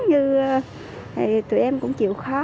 như tụi em cũng chịu khó